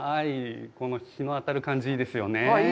この日の当たる感じ、いいですよね。